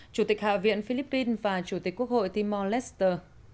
chủ tịch hạ viện philippines và chủ tịch quốc hội timor leste